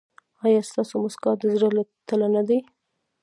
ایا ستاسو مسکا د زړه له تله نه ده؟